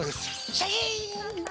シャキーン！